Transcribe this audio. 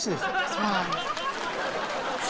そうなんです。